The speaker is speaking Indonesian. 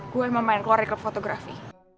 gue yang mau main keluar di klub fotografi